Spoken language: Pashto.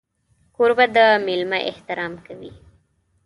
کوربه د مېلمه احترام کوي.